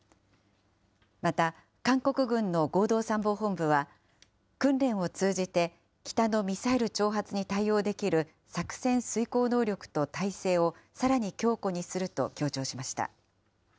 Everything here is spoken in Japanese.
また、韓国軍の合同参謀本部は、訓練を通じて、北のミサイル挑発に対応できる作戦遂行能力と態勢をさらに強固にすると強調しました。